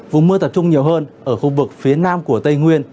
vùng mưa tập trung nhiều hơn ở khu vực phía nam của tây nguyên